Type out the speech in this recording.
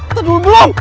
cepetan dulu belum